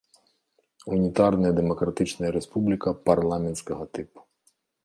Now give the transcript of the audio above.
Унітарная дэмакратычная рэспубліка парламенцкага тыпу.